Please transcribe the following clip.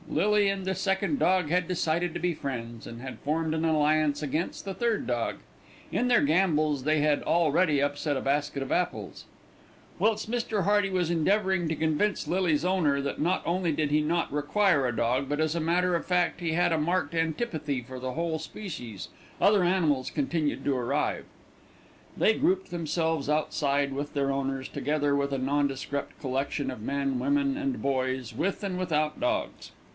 Lily and the second dog had decided to be friends, and had formed an alliance against the third dog. In their gambols they had already upset a basket of apples. Whilst Mr. Hearty was endeavouring to convince Lily's owner that not only did he not require a dog, but that as a matter of fact he had a marked antipathy for the whole species, other animals continued to arrive. They grouped themselves outside with their owners, together with a nondescript collection of men, women, and boys, with and without dogs.